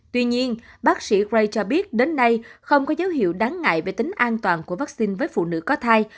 tuy nhiên bác sĩ gray cho biết đến nay không có dấu hiệu đáng ngại về tính an toàn của vaccine với phụ nữ có thai